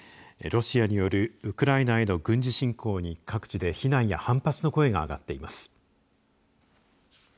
ロシアによるウクライナへの軍事進攻に各地で非難や反発の声が上がっています。